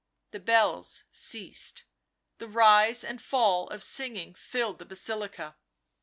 The bells ceased. The rise and fall of singing filled the Basilica.